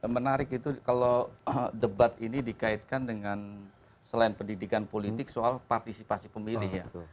menarik itu kalau debat ini dikaitkan dengan selain pendidikan politik soal partisipasi pemilih